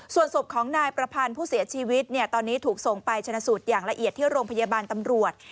ส่วนศพของนายประพันธ์ผู้เสียชีวิตตอนนี้ถูกส่งไปชนะสูตรอย่างละเอียดที่โรงพยาบาลตำรวจ